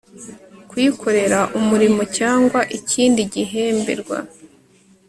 kuyikorera umurimo cyangwa ikindi gihemberwa